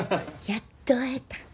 やっと会えた。